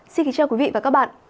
xin kính chào quý vị và các bạn